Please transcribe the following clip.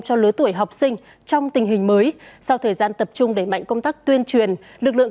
cho lứa tuổi học sinh trong tình hình mới sau thời gian tập trung đẩy mạnh công tác tuyên truyền lực lượng